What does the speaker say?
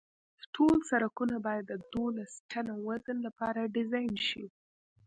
ټول سرکونه باید د دولس ټنه وزن لپاره ډیزاین شي